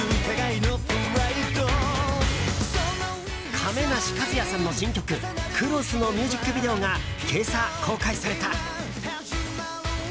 亀梨和也さんの新曲「Ｃｒｏｓｓ」のミュージックビデオが今朝、公開された。